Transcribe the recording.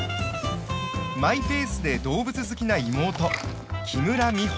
マイペースで動物好きな妹木村美穂。